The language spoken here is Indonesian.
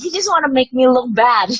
dia cuma mau bikin aku keliatan